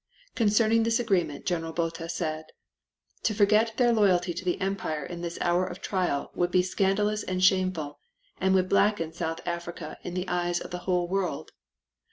Concerning this agreement General Botha said: "To forget their loyalty to the empire in this hour of trial would be scandalous and shameful, and would blacken South Africa in the eyes of the whole world.